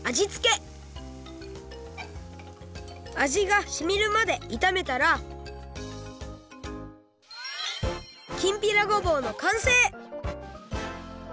あじがしみるまでいためたらきんぴらごぼうのかんせい！